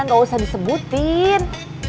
tidak usah disebutin